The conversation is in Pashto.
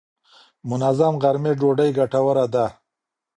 منظم غرمې ډوډۍ ګټوره ده.